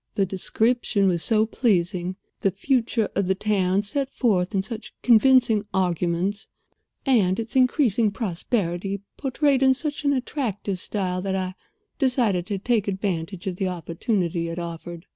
The description was so pleasing, the future of the town set forth in such convincing arguments, and its increasing prosperity portrayed in such an attractive style that I decided to take advantage of the opportunity it offered.